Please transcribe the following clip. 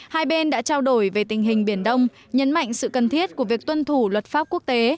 hai bên đã trao đổi về tình hình biển đông nhấn mạnh sự cần thiết của việc tuân thủ luật pháp quốc tế